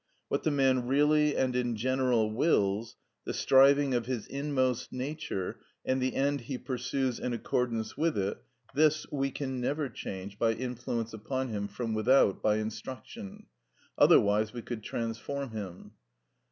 What the man really and in general wills, the striving of his inmost nature, and the end he pursues in accordance with it, this we can never change by influence upon him from without by instruction, otherwise we could transform him.